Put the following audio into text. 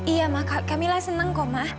iya ma kamilah senang